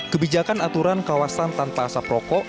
kebijakan aturan kawasan tanpa asap rokok